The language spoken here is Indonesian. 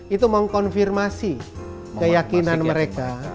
itu mengkonfirmasi keyakinan mereka